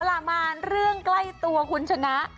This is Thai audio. ละมานเรื่องใกล้ตัวคุณชนะ